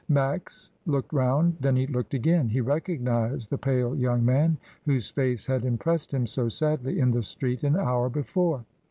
Max looked round, then he looked again. He recognised the pale young man whose face had impressed him so sadly in the street an hour before.